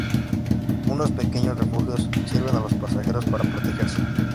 Unos pequeños refugios sirven a los pasajeros para protegerse.